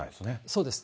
そうです。